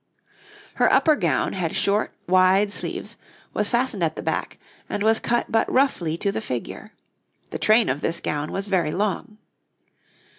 Her upper gown had short, wide sleeves, was fastened at the back, and was cut but roughly to the figure. The train of this gown was very long.